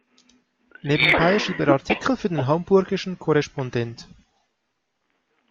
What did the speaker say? Nebenbei schrieb er Artikel für den Hamburgischen Correspondent.